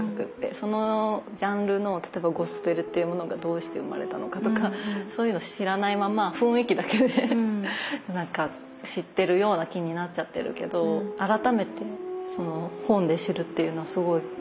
そのジャンルの例えばゴスペルっていうものがどうして生まれたのかとかそういうのを知らないまま雰囲気だけでなんか知ってるような気になっちゃってるけど改めてその本で知るっていうのはすごい私も興味がある。